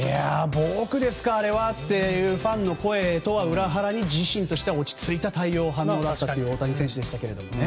ボークですかあれはというファンの声とは裏腹に、自身としては落ち着いた反応だったという大谷選手でしたが。